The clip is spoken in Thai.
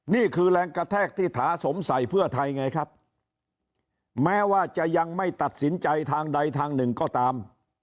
นี่คือแรงกระแทกที่ถาสมใส่เพื่อไทยไงครับแม้ว่าจะยังไม่ตัดสินใจทางใดทางหนึ่งก็ตาม